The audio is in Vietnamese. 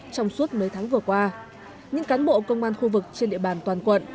trong suốt mấy tháng vừa qua những cán bộ công an khu vực trên địa bàn toàn quận